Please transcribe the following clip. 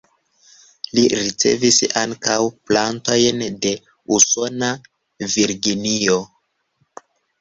Li ricevis ankaŭ plantojn de usona Virginio.